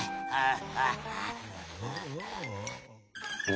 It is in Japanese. ああ！